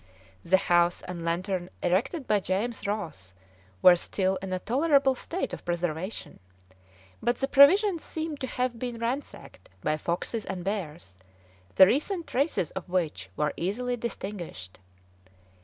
The house and lantern erected by James Ross were still in a tolerable state of preservation; but the provisions seemed to have been ransacked by foxes and bears, the recent traces of which were easily distinguished.